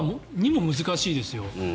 ２も難しいですよ。